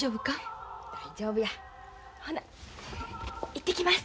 行ってきます。